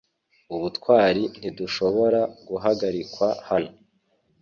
Ubutwari ntidushobora guhagarikwa hano